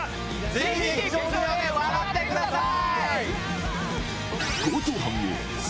ぜひ劇場で笑ってください！